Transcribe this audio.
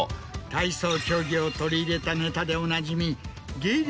体操競技を取り入れたネタでおなじみ芸歴